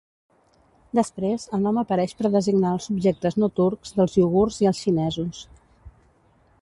Després el nom apareix per designar als subjectes no turcs dels uigurs i als xinesos.